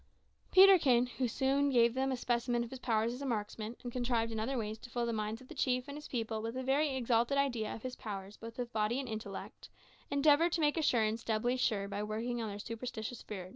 Peterkin, who soon gave them a specimen of his powers as a marksman, and contrived in other ways to fill the minds of the chief and his people with a very exalted idea of his powers both of body and intellect, endeavoured to make assurance doubly sure by working on their superstitious fears.